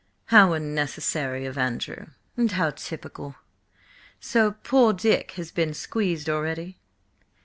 "How unnecessary of Andrew! And how typical! So 'poor Dick' has been squeezed already?"